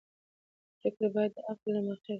پرېکړې باید د عقل له مخې وي